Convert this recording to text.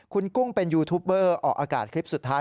คุณกุ้งเป็นยูทูปเบอร์ออกอากาศคลิปสุดท้าย